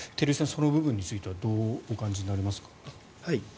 その部分についてはどうお感じになりますか。